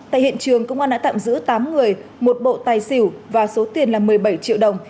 tại hiện trường công an đã tạm giữ tám người một bộ tài xỉu và số tiền là một mươi bảy triệu đồng